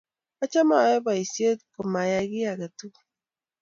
achame ayae boisie ko mayai kiy aketukul